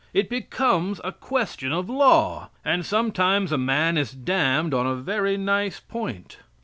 It becomes a question of law, and sometimes a man is damned on a very nice point.